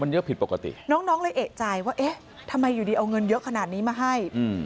มันเยอะผิดปกติน้องน้องเลยเอกใจว่าเอ๊ะทำไมอยู่ดีเอาเงินเยอะขนาดนี้มาให้อืม